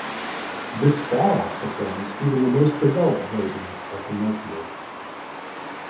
This far outperformed even the most developed versions of the Mercury.